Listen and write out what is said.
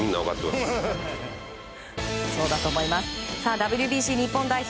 ＷＢＣ日本代表